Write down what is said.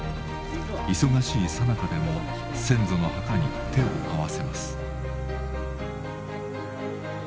忙しいさなかでも先祖の墓に手を合わせます。